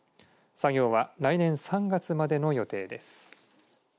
作業は来年３月までの予定です。